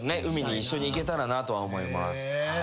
海に一緒に行けたらなと思います。